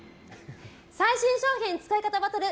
最新商品使い方バトル！